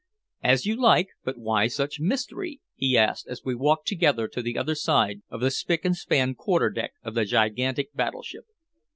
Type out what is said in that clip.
"As you like but why such mystery?" he asked as we walked together to the other side of the spick and span quarter deck of the gigantic battleship.